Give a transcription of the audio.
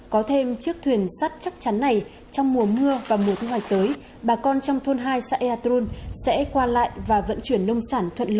có thêm chiếc thuyền sắt chắc chắn này trong mùa mưa và mùa thu hoạch tới bà con trong thôn hai xã ea tôn sẽ qua lại và vận chuyển nông sản thuận lợi